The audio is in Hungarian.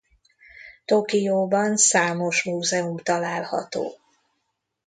Tokióban számos múzeum található.